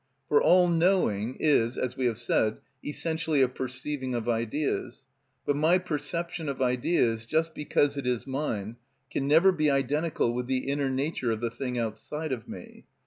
For all knowing is, as we have said, essentially a perceiving of ideas; but my perception of ideas, just because it is mine, can never be identical with the inner nature of the thing outside of me.